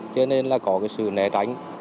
cho nên là có cái sự thông tin